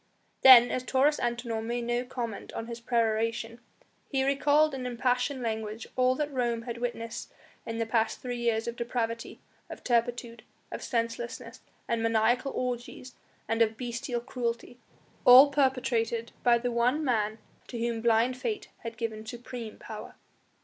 Then, as Taurus Antinor made no comment on his peroration, he recalled in impassioned language all that Rome had witnessed in the past three years of depravity, of turpitude, of senseless and maniacal orgies and of bestial cruelty, all perpetrated by the one man to whom blind Fate had given supreme power.